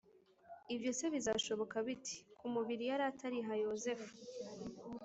ibyo se bizashoboka bite ? ku mubiri yaratariha yozefu